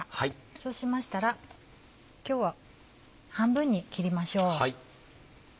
そうしましたら今日は半分に切りましょう。